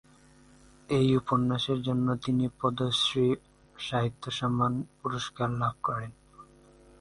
এই উপন্যাসের জন্য তিনি পদ্মশ্রী সাহিত্য সম্মান পুরস্কার লাভ করেন।